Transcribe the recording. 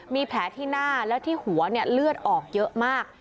มีแผลที่หน้าและที่หัวเลือดออกเยอะมาก